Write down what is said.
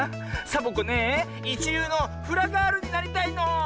サボ子ねえいちりゅうのフラガールになりたいの！